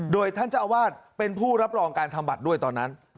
โดยท่านเจ้าอาวาสเป็นผู้รับรองการทำบัตรด้วยตอนนั้น